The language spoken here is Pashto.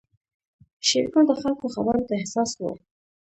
شېرګل د خلکو خبرو ته حساس و.